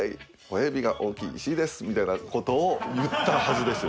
親指が大きい石井です」みたいなことを言ったはずです。